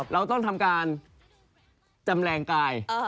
เราต้องทำการจำแรงกาย